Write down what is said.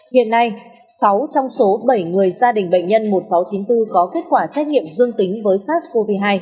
hiện nay sáu trong số bảy người gia đình bệnh nhân một nghìn sáu trăm chín mươi bốn có kết quả xét nghiệm dương tính với sars cov hai